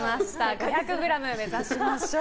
５００ｇ目指しましょう。